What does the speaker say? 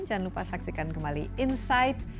jangan lupa saksikan kembali insight